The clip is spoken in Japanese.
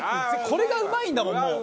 これがうまいんだもんもう。